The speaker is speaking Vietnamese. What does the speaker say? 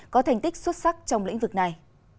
có thành tích xuất sắc trong lĩnh vực này